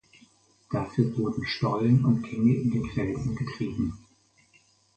Dafür wurden Stollen und Gänge in den Felsen getrieben.